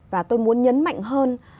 và tôi muốn nhấn mạnh hơn